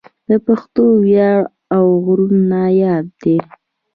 د پښتون وياړ او غرور ناياب دی